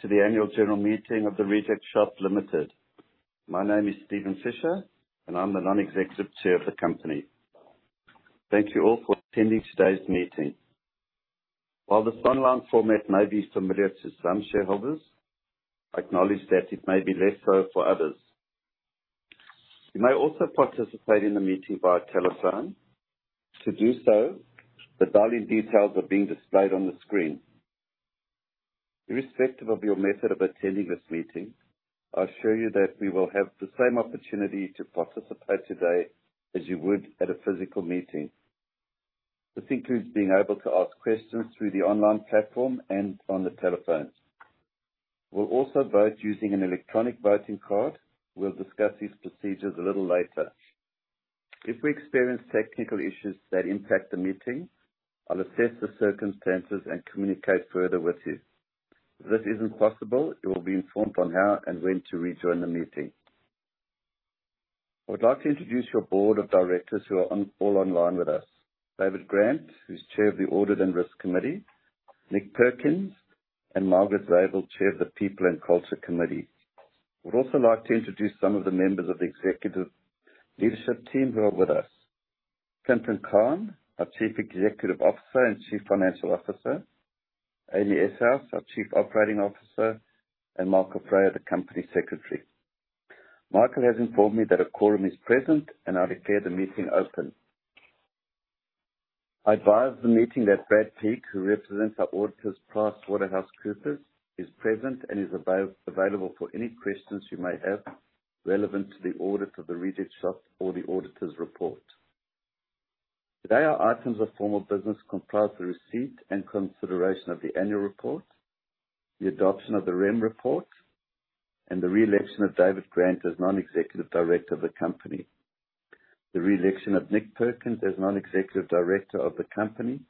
To the annual general meeting of The Reject Shop Limited. My name is Steven Fisher, and I'm the non-executive chair of the company. Thank you all for attending today's meeting. While this online format may be familiar to some shareholders, I acknowledge that it may be less so for others. You may also participate in the meeting via telephone. To do so, the dial-in details are being displayed on the screen. Irrespective of your method of attending this meeting, I assure you that we will have the same opportunity to participate today as you would at a physical meeting. This includes being able to ask questions through the online platform and on the telephones. We'll also vote using an electronic voting card. We'll discuss these procedures a little later. If we experience technical issues that impact the meeting, I'll assess the circumstances and communicate further with you. If this isn't possible, you will be informed on how and when to rejoin the meeting. I would like to introduce your board of directors, who are all online with us. David Grant, who's chair of the Audit and Risk Committee, Nick Perkins, and Margaret Zabel, chair of the People and Culture Committee. I would also like to introduce some of the members of the executive leadership team who are with us. Clinton Cahn, our Chief Executive Officer and Chief Financial Officer, Amy Eshuys, our Chief Operating Officer, and Michael Freier, the Company Secretary. Michael has informed me that a quorum is present, and I declare the meeting open. I advise the meeting that Brad Peake, who represents our auditors, PricewaterhouseCoopers, is present and is available for any questions you may have, relevant to the audit of The Reject Shop or the auditors' report. Today, our items of formal business comprise the receipt and consideration of the annual report, the adoption of the REM report, and the re-election of David Grant as non-executive director of the company, the re-election of Nick Perkins as non-executive director of the company,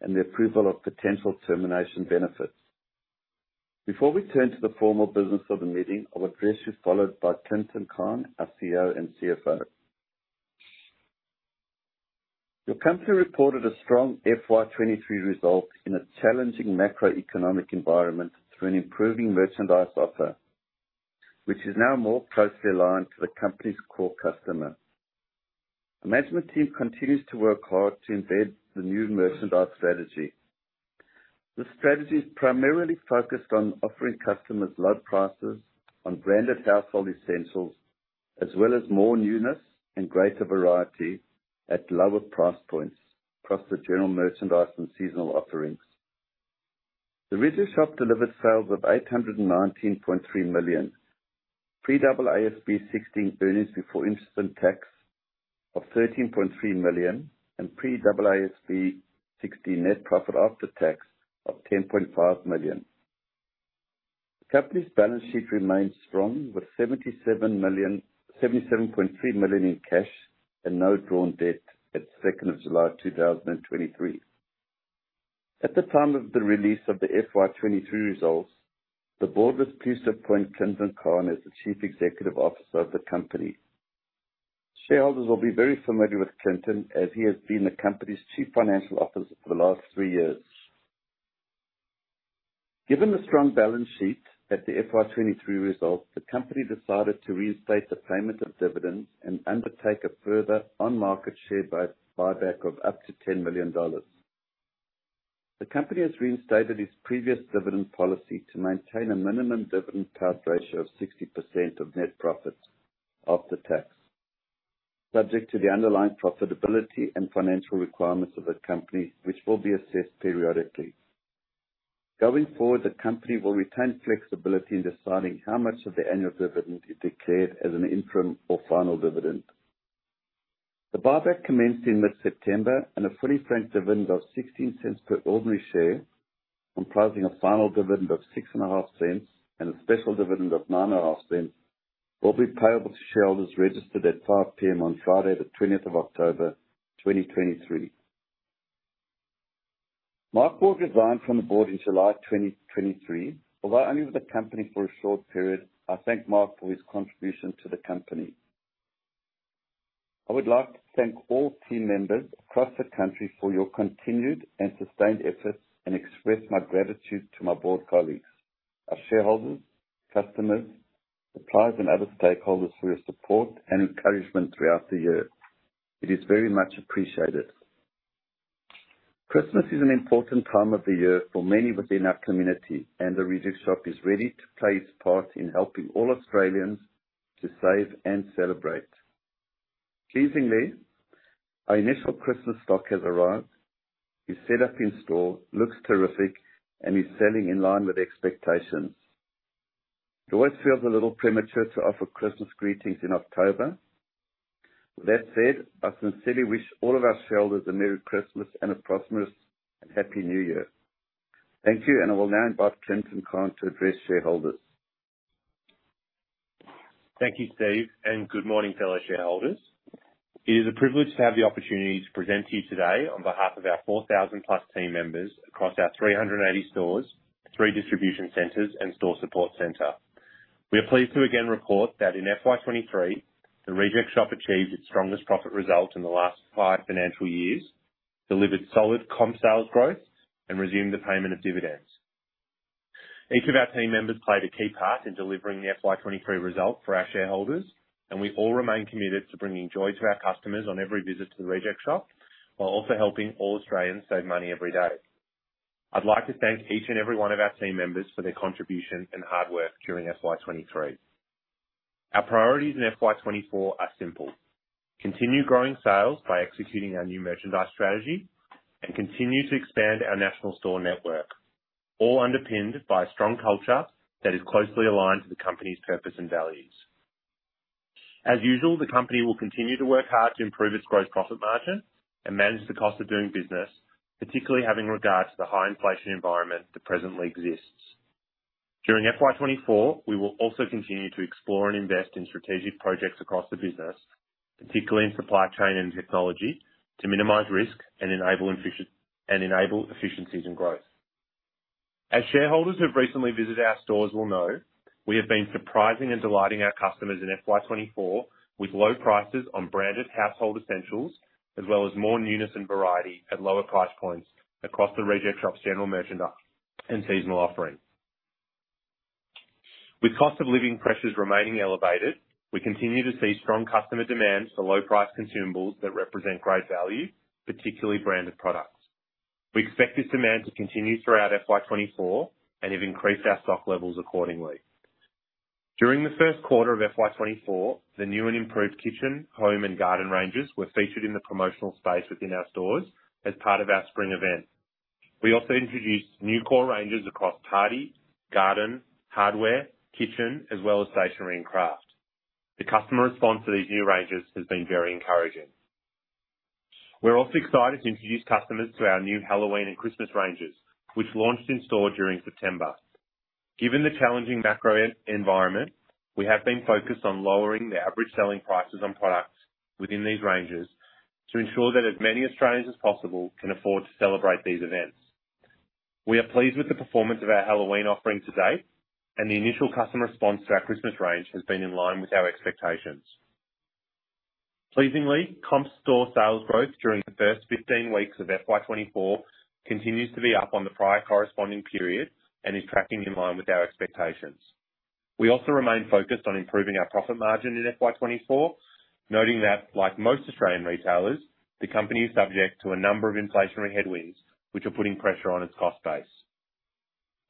and the approval of potential termination benefits. Before we turn to the formal business of the meeting, I'll address you, followed by Clinton Cahn, our CEO and CFO. The company reported a strong FY 2023 result in a challenging macroeconomic environment through an improving merchandise offer, which is now more closely aligned to the company's core customer. The management team continues to work hard to embed the new merchandise strategy. The strategy is primarily focused on offering customers low prices on branded household essentials, as well as more newness and greater variety at lower price points across the general merchandise and seasonal offerings. The Reject Shop delivered sales of 819.3 million, pre-IFRS 16 earnings before interest and tax of 13.3 million, and pre-IFRS 16 net profit after tax of 10.5 million. The company's balance sheet remains strong, with 77.3 million in cash and no drawn debt at 2 July 2023. At the time of the release of the FY 2023 results, the board was pleased to appoint Clinton Cahn as the Chief Executive Officer of the company. Shareholders will be very familiar with Clinton, as he has been the company's Chief Financial Officer for the last three years. Given the strong balance sheet at the FY 2023 results, the company decided to reinstate the payment of dividends and undertake a further on-market share buyback of up to 10 million dollars. The company has reinstated its previous dividend policy to maintain a minimum dividend payout ratio of 60% of net profits after tax, subject to the underlying profitability and financial requirements of the company, which will be assessed periodically. Going forward, the company will retain flexibility in deciding how much of the annual dividend is declared as an interim or final dividend. The buyback commenced in mid-September, and a fully franked dividend of 0.16 per ordinary share, comprising a final dividend of 0.065 and a special dividend of 0.095, will be payable to shareholders registered at 5:00 P.M. on Friday, the twentieth of October, 2023. Mark Borg resigned from the board in July 2023. Although only with the company for a short period, I thank Mark for his contribution to the company. I would like to thank all team members across the country for your continued and sustained efforts, and express my gratitude to my board colleagues, our shareholders, customers, suppliers, and other stakeholders for your support and encouragement throughout the year. It is very much appreciated. Christmas is an important time of the year for many within our community, and The Reject Shop is ready to play its part in helping all Australians to save and celebrate. Pleasingly, our initial Christmas stock has arrived. It's set up in-store, looks terrific, and is selling in line with expectations. It always feels a little premature to offer Christmas greetings in October. With that said, I sincerely wish all of our shareholders a merry Christmas and a prosperous and happy New Year. Thank you, and I will now invite Clinton Cahn to address shareholders. Thank you, Steve, and good morning, fellow shareholders. It is a privilege to have the opportunity to present to you today on behalf of our 4,000-plus team members across our 380 stores, three distribution centers, and store support center.... We are pleased to again report that in FY 2023, The Reject Shop achieved its strongest profit result in the last five financial years, delivered solid comp sales growth, and resumed the payment of dividends. Each of our team members played a key part in delivering the FY 2023 result for our shareholders, and we all remain committed to bringing joy to our customers on every visit to The Reject Shop, while also helping all Australians save money every day. I'd like to thank each and every one of our team members for their contribution and hard work during FY 2023. Our priorities in FY 24 are simple: continue growing sales by executing our new merchandise strategy and continue to expand our national store network, all underpinned by a strong culture that is closely aligned to the company's purpose and values. As usual, the company will continue to work hard to improve its gross profit margin and manage the cost of doing business, particularly having regard to the high inflation environment that presently exists. During FY 24, we will also continue to explore and invest in strategic projects across the business, particularly in supply chain and technology, to minimize risk and enable efficiencies and growth. As shareholders who have recently visited our stores will know, we have been surprising and delighting our customers in FY 2024 with low prices on branded household essentials, as well as more newness and variety at lower price points across The Reject Shop's general merchandise and seasonal offering. With cost of living pressures remaining elevated, we continue to see strong customer demand for low-priced consumables that represent great value, particularly branded products. We expect this demand to continue throughout FY 2024, and have increased our stock levels accordingly. During the Q1 of FY 2024, the new and improved kitchen, home, and garden ranges were featured in the promotional space within our stores as part of our spring event. We also introduced new core ranges across party, garden, hardware, kitchen, as well as stationery and craft. The customer response to these new ranges has been very encouraging. We're also excited to introduce customers to our new Halloween and Christmas ranges, which launched in store during September. Given the challenging macro environment, we have been focused on lowering the average selling prices on products within these ranges to ensure that as many Australians as possible can afford to celebrate these events. We are pleased with the performance of our Halloween offering to date, and the initial customer response to our Christmas range has been in line with our expectations. Pleasingly, comp store sales growth during the first 15 weeks of FY 2024 continues to be up on the prior corresponding period and is tracking in line with our expectations. We also remain focused on improving our profit margin in FY 2024, noting that, like most Australian retailers, the company is subject to a number of inflationary headwinds, which are putting pressure on its cost base.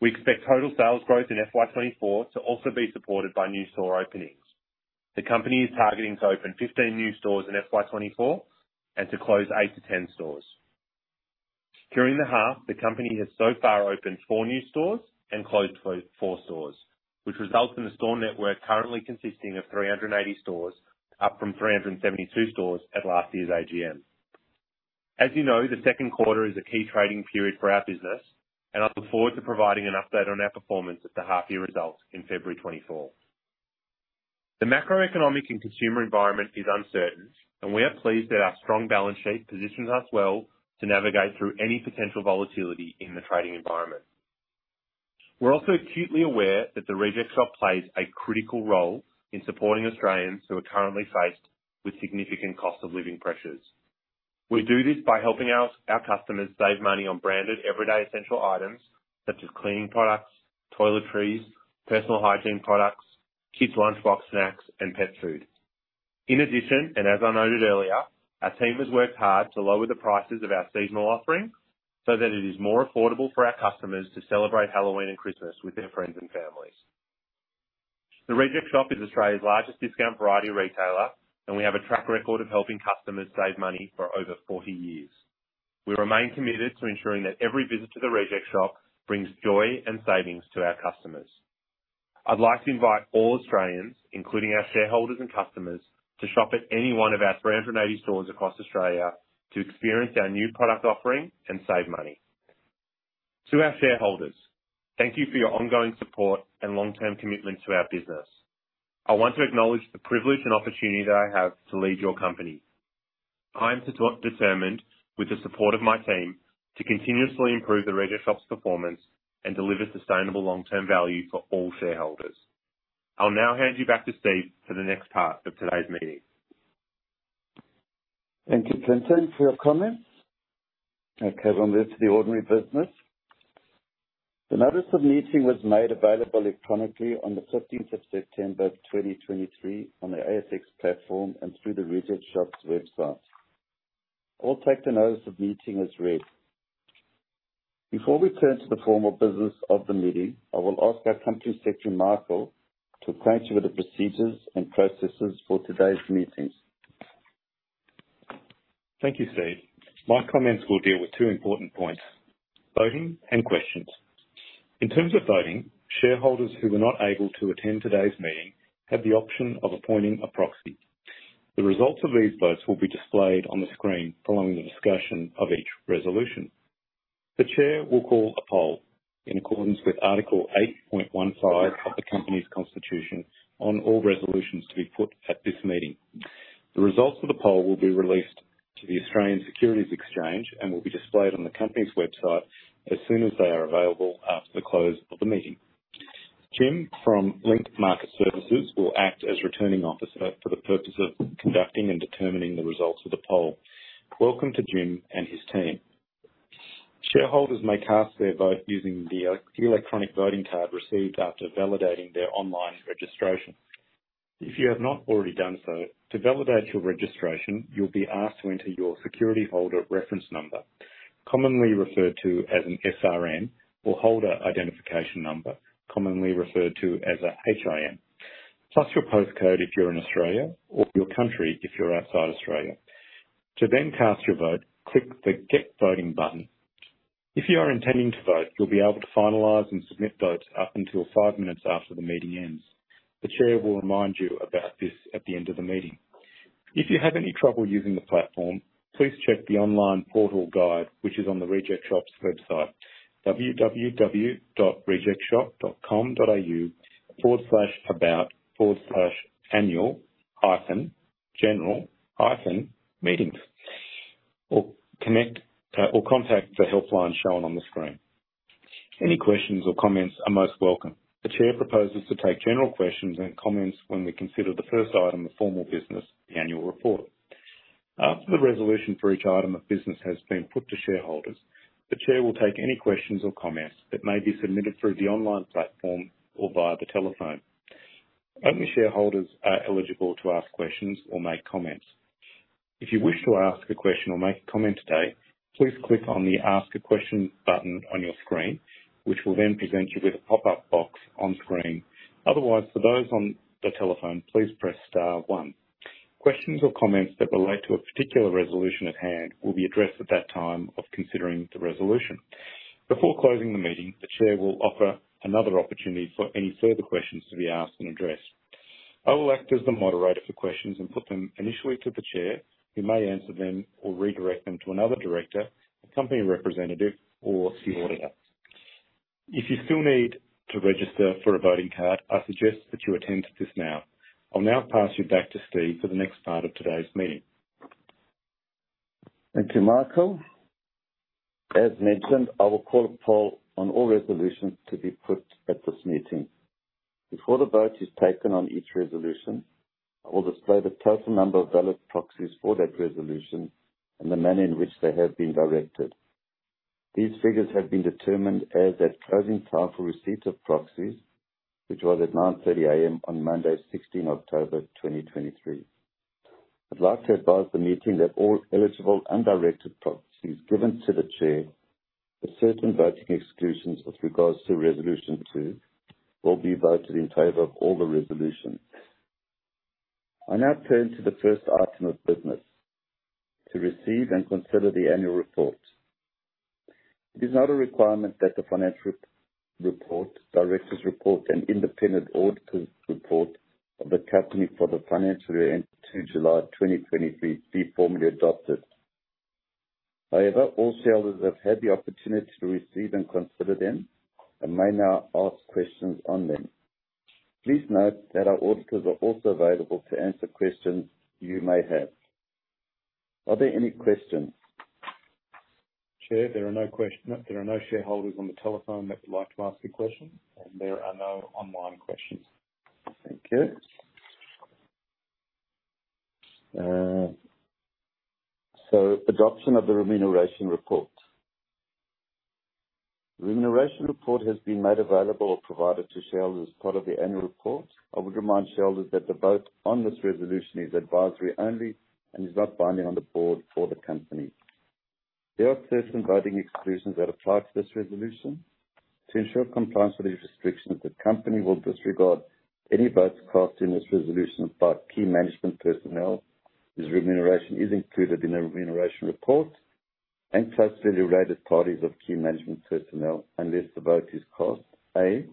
We expect total sales growth in FY 2024 to also be supported by new store openings. The company is targeting to open 15 new stores in FY 2024 and to close 8-10 stores. During the half, the company has so far opened four new stores and closed four stores, which results in the store network currently consisting of 380 stores, up from 372 stores at last year's AGM. As you know, the Q2 is a key trading period for our business, and I look forward to providing an update on our performance at the half year results in February 2024. The macroeconomic and consumer environment is uncertain, and we are pleased that our strong balance sheet positions us well to navigate through any potential volatility in the trading environment. We're also acutely aware that The Reject Shop plays a critical role in supporting Australians who are currently faced with significant cost of living pressures. We do this by helping our customers save money on branded, everyday essential items, such as cleaning products, toiletries, personal hygiene products, kids' lunchbox snacks, and pet food. In addition, and as I noted earlier, our team has worked hard to lower the prices of our seasonal offering so that it is more affordable for our customers to celebrate Halloween and Christmas with their friends and families. The Reject Shop is Australia's largest discount variety retailer, and we have a track record of helping customers save money for over forty years. We remain committed to ensuring that every visit to The Reject Shop brings joy and savings to our customers. I'd like to invite all Australians, including our shareholders and customers, to shop at any one of our 380 stores across Australia to experience our new product offering and save money. To our shareholders, thank you for your ongoing support and long-term commitment to our business. I want to acknowledge the privilege and opportunity that I have to lead your company. I am determined, with the support of my team, to continuously improve The Reject Shop's performance and deliver sustainable long-term value for all shareholders. I'll now hand you back to Steve for the next part of today's meeting. Thank you, Clinton, for your comments. Okay, we'll move to the ordinary business. The notice of meeting was made available electronically on the 15th of September, 2023, on the ASX platform and through The Reject Shop's website. All take the notice of meeting as read. Before we turn to the formal business of the meeting, I will ask our company secretary, Michael, to acquaint you with the procedures and processes for today's meeting. Thank you, Steve. My comments will deal with two important points, voting and questions. In terms of voting, shareholders who were not able to attend today's meeting had the option of appointing a proxy. The results of these votes will be displayed on the screen following the discussion of each resolution. The chair will call a poll in accordance with Article 8.15 of the company's constitution on all resolutions to be put at this meeting. The results of the poll will be released to the Australian Securities Exchange and will be displayed on the company's website as soon as they are available after the close of the meeting. Jim from Link Market Services will act as Returning Officer for the purpose of conducting and determining the results of the poll. Welcome to Jim and his team. Shareholders may cast their vote using the electronic voting tab received after validating their online registration. If you have not already done so, to validate your registration, you'll be asked to enter your security holder reference number, commonly referred to as an SRN, or holder identification number, commonly referred to as a HIN. Plus your postcode if you're in Australia, or your country if you're outside Australia. To then cast your vote, click the Get Voting button. If you are intending to vote, you'll be able to finalize and submit votes up until five minutes after the meeting ends. The chair will remind you about this at the end of the meeting. If you have any trouble using the platform, please check the online portal guide, which is on the Reject Shop's website, www.rejectshop.com.au/about/annual-general-meetings, or connect, or contact the helpline shown on the screen. Any questions or comments are most welcome. The chair proposes to take general questions and comments when we consider the first item of formal business, the annual report. After the resolution for each item of business has been put to shareholders, the chair will take any questions or comments that may be submitted through the online platform or via the telephone. Only shareholders are eligible to ask questions or make comments. If you wish to ask a question or make a comment today, please click on the Ask a Question button on your screen, which will then present you with a pop-up box on screen. Otherwise, for those on the telephone, please press star one. Questions or comments that relate to a particular resolution at hand will be addressed at that time of considering the resolution. Before closing the meeting, the chair will offer another opportunity for any further questions to be asked and addressed. I will act as the moderator for questions and put them initially to the chair, who may answer them or redirect them to another director, a company representative, or the auditor. If you still need to register for a voting card, I suggest that you attend to this now. I'll now pass you back to Steve for the next part of today's meeting. Thank you, Michael. As mentioned, I will call a poll on all resolutions to be put at this meeting. Before the vote is taken on each resolution, I will display the total number of valid proxies for that resolution and the manner in which they have been directed. These figures have been determined as at closing time for receipt of proxies, which was at 9:30 A.M. on Monday, sixteenth October, 2023. I'd like to advise the meeting that all eligible and directed proxies given to the chair, except voting exclusions with regards to resolution two, will be voted in favor of all the resolutions. I now turn to the first item of business, to receive and consider the annual report. It is not a requirement that the financial report, directors' report, and independent auditor's report of the company for the financial year ended July 2023, be formally adopted. However, all shareholders have had the opportunity to receive and consider them, and may now ask questions on them. Please note that our auditors are also available to answer questions you may have. Are there any questions? Chair, there are no questions. There are no shareholders on the telephone that would like to ask a question, and there are no online questions. Thank you. Adoption of the remuneration report. The remuneration report has been made available or provided to shareholders as part of the annual report. I would remind shareholders that the vote on this resolution is advisory only and is not binding on the board or the company. There are certain voting exclusions that apply to this resolution. To ensure compliance with these restrictions, the company will disregard any votes cast in this resolution by key management personnel, whose remuneration is included in the remuneration report, and closely related parties of key management personnel, unless the vote is cast: A,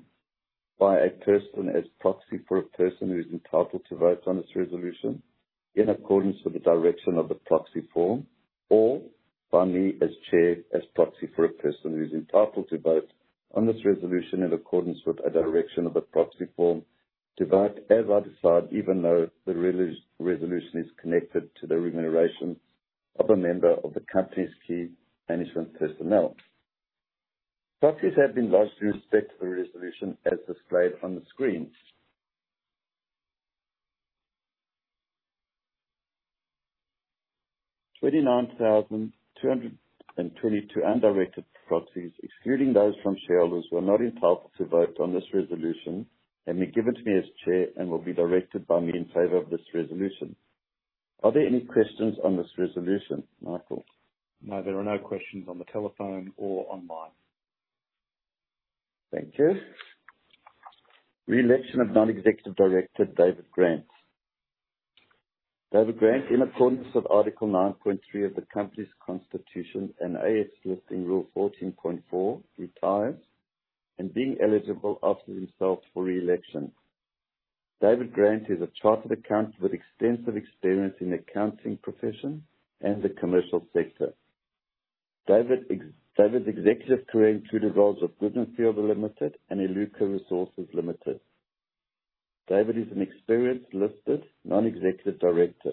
by a person as proxy for a person who is entitled to vote on this resolution, in accordance with the direction of the proxy form, or by me as chair, as proxy for a person who is entitled to vote on this resolution in accordance with a direction of the proxy form, to vote as I decide, even though the resolution is connected to the remuneration of a member of the company's key management personnel. Proxies have been lodged in respect to the resolution as displayed on the screen. 29,222 undirected proxies, excluding those from shareholders who are not entitled to vote on this resolution, have been given to me as Chair and will be directed by me in favor of this resolution. Are there any questions on this resolution, Michael? No, there are no questions on the telephone or online. Thank you. Re-election of Non-Executive Director, David Grant. David Grant, in accordance with Article 9.3 of the company's constitution and ASX listing rule 14.4, retires, and being eligible, offers himself for re-election. David Grant is a chartered accountant with extensive experience in the accounting profession and the commercial sector.... David's executive career included roles at Goodman Fielder Limited and Iluka Resources Limited. David is an experienced listed non-executive director,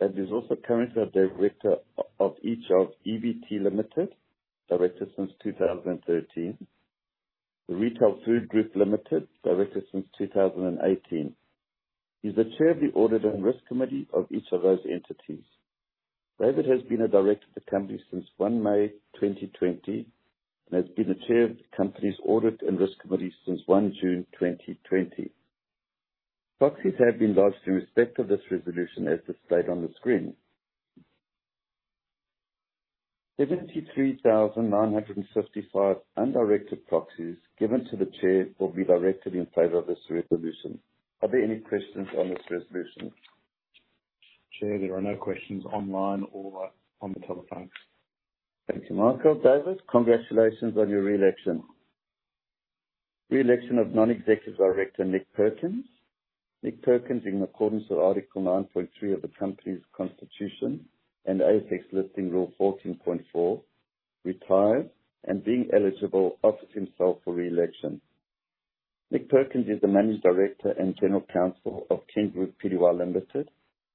and he's also currently a director of each of EVT Limited, director since 2013. The Retail Food Group Limited, director since 2018. He's the chair of the Audit and Risk Committee of each of those entities. David has been a director of the company since 1 May 2020, and has been the chair of the company's Audit and Risk Committee since 1 June 2020. Proxies have been lodged in respect of this resolution, as displayed on the screen. 73,955 undirected proxies given to the chair will be directed in favor of this resolution. Are there any questions on this resolution? Chair, there are no questions online or on the telephone. Thank you, Michael. David, congratulations on your re-election. Re-election of non-executive director, Nick Perkins. Nick Perkins, in accordance with Article 9.3 of the company's constitution and ASX Listing Rule 14.4, retired and being eligible, offered himself for re-election. Nick Perkins is the managing director and general counsel of Kin Group Pty Ltd,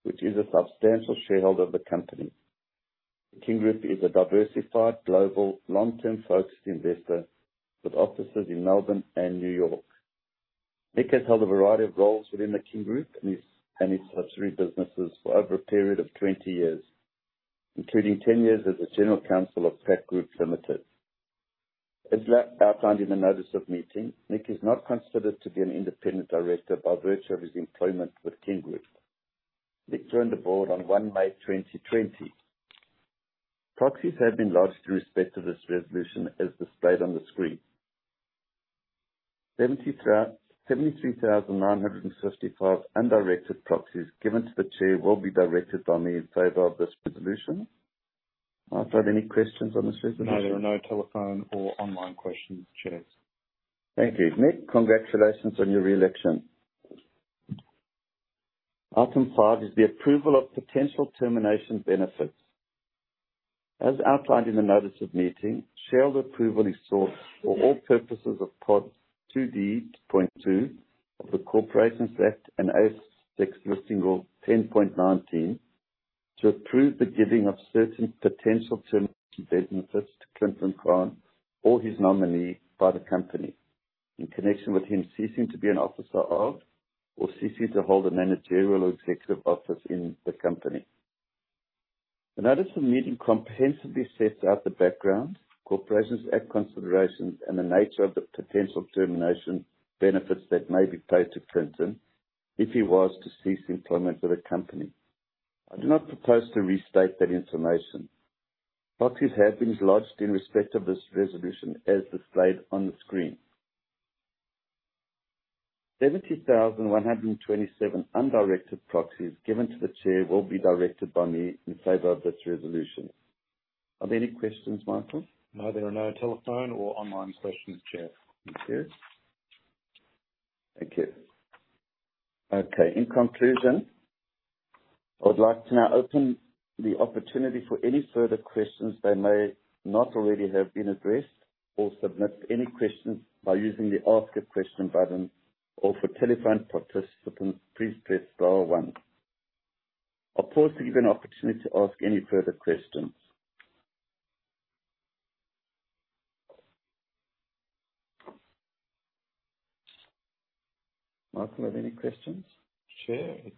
which is a substantial shareholder of the company. Kin Group is a diversified, global, long-term focused investor with offices in Melbourne and New York. Nick has held a variety of roles within the Kin Group and its subsidiary businesses for over a period of 20 years, including 10 years as the general counsel of Pact Group Limited. As outlined in the notice of meeting, Nick is not considered to be an independent director by virtue of his employment with Kin Group. Nick joined the board on 1 May 2020. Proxies have been lodged in respect to this resolution, as displayed on the screen. 73,955 undirected proxies given to the chair will be directed by me in favor of this resolution. Are there any questions on this resolution? No, there are no telephone or online questions, Chair. Thank you, Nick. Congratulations on your re-election. Item five is the approval of potential termination benefits. As outlined in the notice of meeting, shareholder approval is sought for all purposes of Part 2D.2 of the Corporations Act and ASX Listing Rule 10.19, to approve the giving of certain potential termination benefits to Clinton Cahn or his nominee, by the company, in connection with him ceasing to be an officer of, or ceasing to hold a managerial or executive office in the company. The notice of meeting comprehensively sets out the background, Corporations Act considerations, and the nature of the potential termination benefits that may be paid to Clinton if he was to cease employment with the company. I do not propose to restate that information. Proxies have been lodged in respect of this resolution, as displayed on the screen. 70,127 undirected proxies given to the chair will be directed by me in favor of this resolution. Are there any questions, Michael? No, there are no telephone or online questions, Chair. Thank you. Thank you. Okay, in conclusion, I would like to now open the opportunity for any further questions that may not already have been addressed, or submit any questions by using the "Ask a Question" button, or for telephone participants, please press star one. I pause to give an opportunity to ask any further questions. Michael, have any questions? Chair, it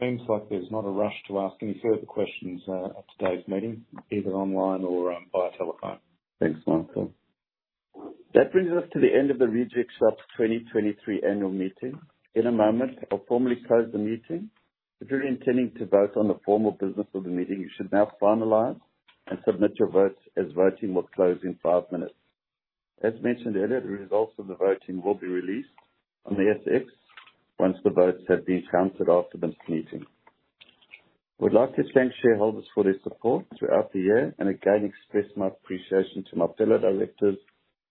seems like there's not a rush to ask any further questions at today's meeting, either online or via telephone. Thanks, Michael. That brings us to the end of the Reject Shop's 2023 annual meeting. In a moment, I'll formally close the meeting. If you're intending to vote on the formal business of the meeting, you should now finalize and submit your votes, as voting will close in five minutes. As mentioned earlier, the results of the voting will be released on the ASX once the votes have been counted after this meeting. We'd like to thank shareholders for their support throughout the year, and again, express my appreciation to my fellow directors,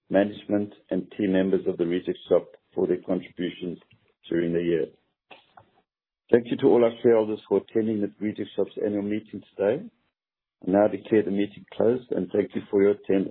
management, and team members of the Reject Shop for their contributions during the year. Thank you to all our shareholders for attending the Reject Shop's annual meeting today. I now declare the meeting closed, and thank you for your attendance.